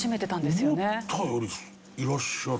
思ったよりいらっしゃる。